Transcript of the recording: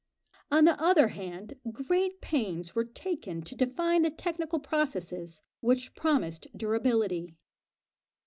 On the other hand, great pains were taken to define the technical processes which promised durability.